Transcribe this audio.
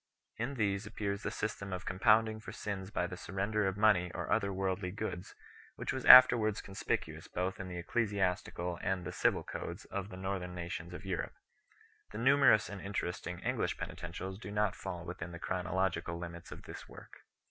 In these appears the system of compounding for sins by the surrender of money or other worldly goods, which was afterwards conspicuous both in the ecclesiastical and the civil codes of the Northern nations of Europe. The numerous and interesting English Penitentials do not fall within the chronological limits of this work.